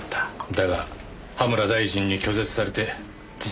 だが葉村大臣に拒絶されて自殺した。